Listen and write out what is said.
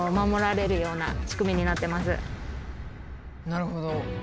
なるほど。